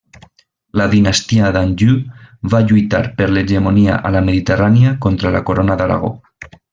La dinastia d'Anjou va lluitar per l'hegemonia a la Mediterrània contra la Corona d'Aragó.